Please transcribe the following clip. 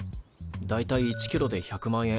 大体１キロで１００万円。